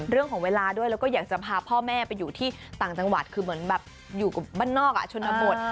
เรื่องของเวลาด้วยแล้วก็อยากจะพาพ่อแม่ไปอยู่ที่ต่างจังหวัดคือเหมือนแบบอยู่กับบ้านนอกชนบท